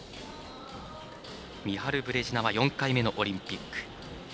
ミハル・ブレジナは４回目のオリンピック。